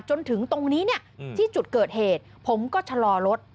จนถึงตรงนี้เนี่ยที่จุดเกิดเหตุผมก็ชะลอรถ